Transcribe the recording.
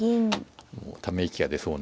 もうため息が出そうな。